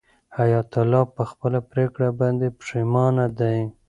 حیات الله په خپله پرېکړه باندې پښېمانه دی.